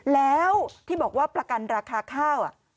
แล้วที่บอกว่าประกันราคาข้าว